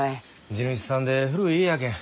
地主さんで古い家やけん。